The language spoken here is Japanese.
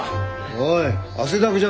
おい汗だくじゃねえか。